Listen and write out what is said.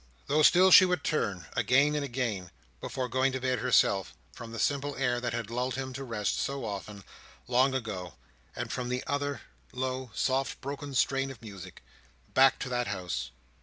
Though still she would turn, again and again, before going to bed herself from the simple air that had lulled him to rest so often, long ago, and from the other low soft broken strain of music, back to that house.